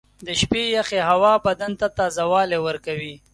• د شپې یخې هوا بدن ته تازهوالی ورکوي.